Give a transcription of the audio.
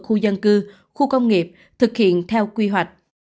khu dân cư khu công nghiệp thực hiện theo quy hoạch